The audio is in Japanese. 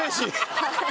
ハハハハ！